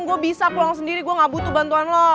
gue bisa pulang sendiri gue gak butuh bantuan lo